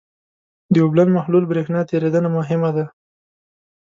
د اوبلن محلول برېښنا تیریدنه مهمه ده.